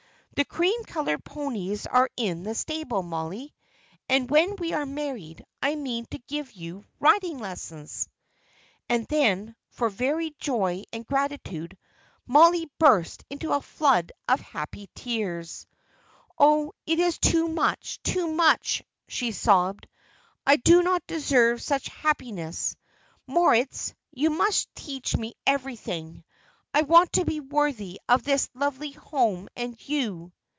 The cream coloured ponies are in the stable, Mollie, and when we are married I mean to give you riding lessons." And then, for very joy and gratitude, Mollie burst into a flood of happy tears. "Oh, it is too much, too much," she sobbed. "I do not deserve such happiness. Moritz, you must teach me everything. I want to be worthy of this lovely home and you."